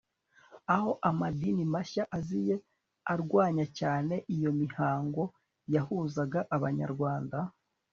aho amadini mashya aziye arwanya cyane iyo mihango yahuzaga abanyarwanda